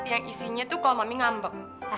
yang isinya tuh kalau mami ngambek